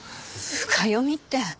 深読みって。